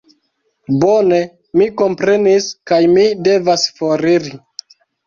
Bone, mi komprenis, kaj mi devas foriri